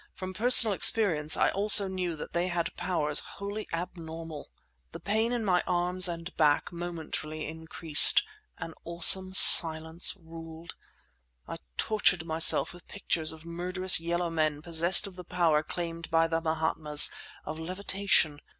From personal experience also I knew that they had powers wholly abnormal. The pain in my arms and back momentarily increased. An awesome silence ruled. I tortured myself with pictures of murderous yellow men possessed of the power claimed by the Mahatmas, of levitation.